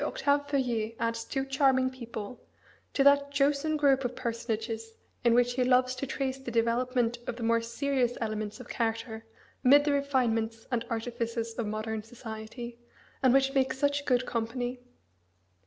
Octave Feuillet adds two charming people to that chosen group of personages in which he loves to trace the development of the more serious elements of character amid the refinements and artifices of modern society, and which make such good company.